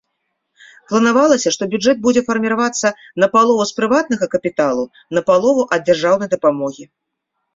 Планавалася, што бюджэт будзе фарміравацца напалову з прыватнага капіталу, напалову ад дзяржаўнай дапамогі.